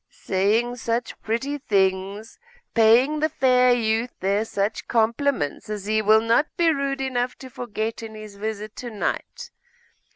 'Saying such pretty things! paying the fair youth there such compliments, as he will not be rude enough to forget in his visit to night.